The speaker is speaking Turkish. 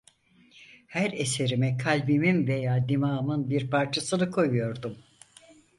Her eserime kalbimin veya dimağımın bir parçasını koyuyordum.